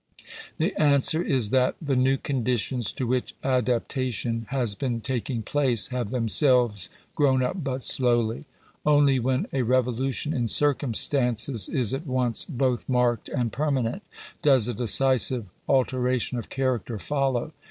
The answer is that the new conditions to which adaptation has been taking place have themselves grown up but slowly. Only when a revolution in circumstances is at once both marked and permanent, does a decisive alteration of character follow.